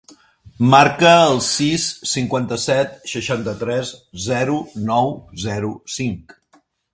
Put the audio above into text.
Marca el sis, cinquanta-set, seixanta-tres, zero, nou, zero, cinc.